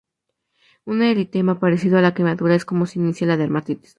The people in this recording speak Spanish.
Un eritema parecido a la quemadura es como se inicia la dermatitis.